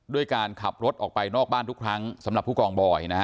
ด้วยการขับรถออกไปนอกบ้านทุกครั้งสำหรับผู้กองบอยนะฮะ